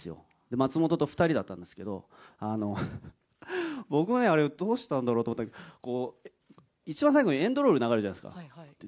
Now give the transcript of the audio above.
松本と２人だったんですけど、僕も、あれどうしたんだろうと思って、こう、一番最後にエンドロール流れるじゃないですか。